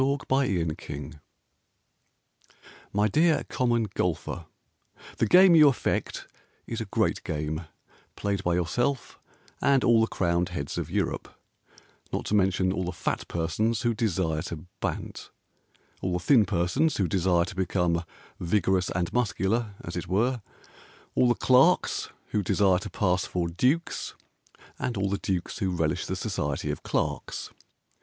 TO THE COMMON GOLFER My dear Common Golfer, The game you affect Is a great game Played by yourself And all the crowned heads of Europe, Not to mention all the fat persons who desire to bant, All the thin persons who desire to become Vigorous and muscular, as it were, All the clerks who desire to pass for dukes, And all the dukes who relish the society of clerks.